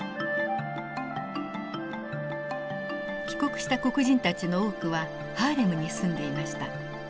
帰国した黒人たちの多くはハーレムに住んでいました。